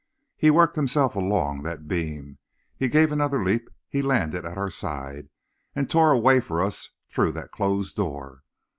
He worked himself along that beam; he gave another leap; he landed at our side, and tore a way for us through that closed door.